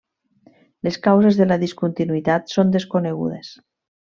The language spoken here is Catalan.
Les causes de la discontinuïtat són desconegudes.